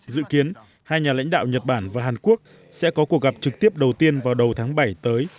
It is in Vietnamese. dự kiến hai nhà lãnh đạo nhật bản và hàn quốc sẽ có cuộc gặp trực tiếp đầu tiên vào đầu tháng bảy tới